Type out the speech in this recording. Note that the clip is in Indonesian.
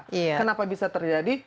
kenapa bisa terjadi